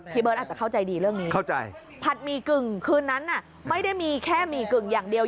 เบิร์ตอาจจะเข้าใจดีเรื่องนี้เข้าใจผัดหมี่กึ่งคืนนั้นไม่ได้มีแค่หมี่กึ่งอย่างเดียว